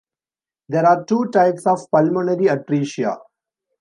There are two types of pulmonary atresia.